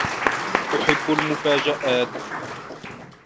أحب المفاجئات.